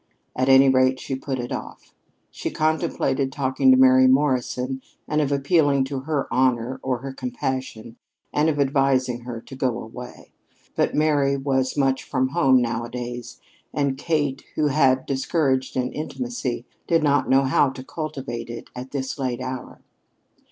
At any rate, she put it off. She contemplated talking to Mary Morrison, and of appealing to her honor, or her compassion, and of advising her to go away. But Mary was much from home nowadays, and Kate, who had discouraged an intimacy, did not know how to cultivate it at this late hour.